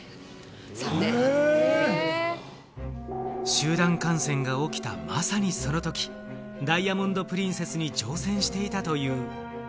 集団感染が起きた、まさにそのとき、ダイヤモンド・プリンセスに乗船していたという。